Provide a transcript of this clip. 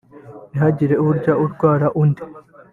ntihagire uwurya urwara uwundi